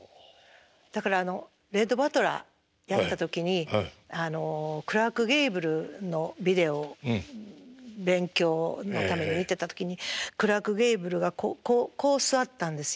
だからレット・バトラーやってた時にクラーク・ゲーブルのビデオを勉強のために見てた時にクラーク・ゲーブルがこう座ったんですよ。